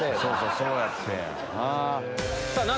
そうやってん。